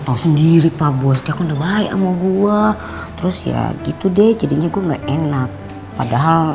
tahu sendiri pak bos dia kan udah baik sama gua terus ya gitu deh jadinya gue enggak enak padahal